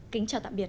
kính chào tạm biệt